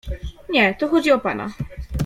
— Nie, to chodzi o pana.